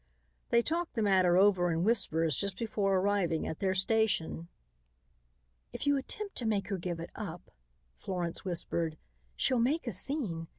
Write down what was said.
They talked the matter over in whispers just before arriving at their station. "If you attempt to make her give it up," Florence whispered, "she'll make a scene.